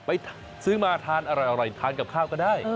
ไปซื้อมาทานอร่อยทานกับข้าวก็ได้